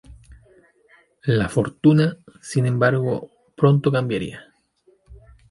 La fortuna, sin embargo, pronto cambiaría.